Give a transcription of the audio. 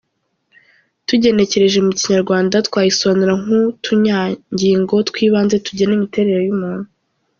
Tugenekereje mu Kinyarwanda twayisobanura nk’ utunyangingo tw'ibanze tugena imiterere y'umuntu.